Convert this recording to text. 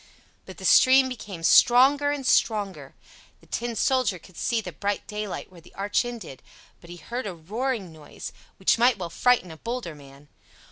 But the stream became stronger and stronger. The Tin Soldier could see the bright daylight where the arch ended; but he heard a roaring noise, which might well frighten a bolder man.